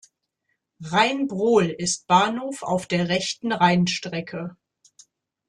Rheinbrohl ist Bahnhof auf der rechten Rheinstrecke.